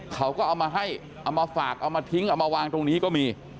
เขาก็เอามาให้เอามาฝากเอามาทิ้งเอามาวางตรงนี้ก็มี